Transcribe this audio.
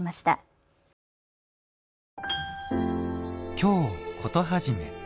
「京コトはじめ」